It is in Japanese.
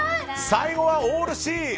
最後はオールＣ！